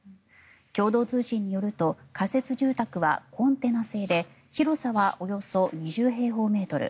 共同通信によると仮設住宅はコンテナ製で広さはおよそ２０平方メートル。